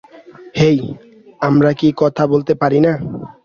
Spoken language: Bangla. হেই, আমরা কি কথা বলতে পারি না?